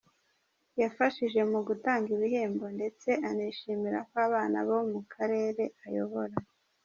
yafashije mu gutanga ibihembo ndetse anishimira ko abana bo mu karere ayobora